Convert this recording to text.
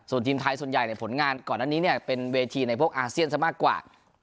ส่วนทีมไทยส่วนใหญ่ผลงานก่อนอันนี้เป็นเวทีในพวกอาเซียนซะมากกว่า